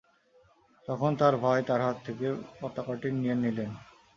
তখন তার ভাই তার হাত থেকে পতাকাটি নিয়ে নিলেন।